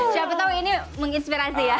siapa tahu ini menginspirasi ya